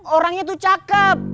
orangnya tuh cakep